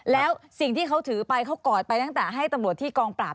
แล้วสิ่งที่เขาถือไปเขากอดไปตั้งแต่ให้ตำรวจที่กองปราบ